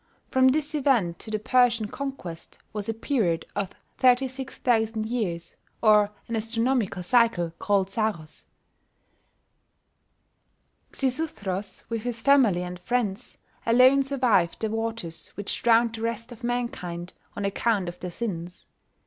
From this event to the Persian conquest was a period of 36,000 years, or an astronomical cycle called saros. Xisuthros, with his family and friends, alone survived the waters which drowned the rest of mankind on account of their sins.